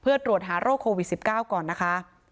เพื่อตรวจหาโรคโควิด๑๙ก่อนนะคะ